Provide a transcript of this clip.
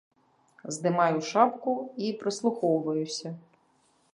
Здымаю шапку і прыслухоўваюся.